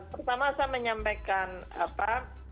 pertama saya menyampaikan apa